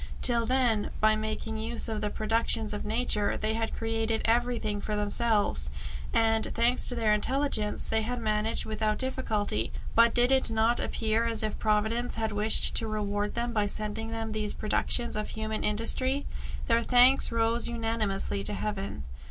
Till then, by making use of the productions of nature, they had created everything for themselves, and, thanks to their intelligence, they had managed without difficulty. But did it not appear as if Providence had wished to reward them by sending them these productions of human industry? Their thanks rose unanimously to Heaven.